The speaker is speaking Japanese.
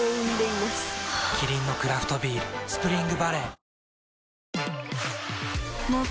キリンのクラフトビール「スプリングバレー」